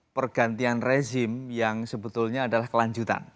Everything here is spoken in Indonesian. pergantian rezim yang sebetulnya adalah kelanjutan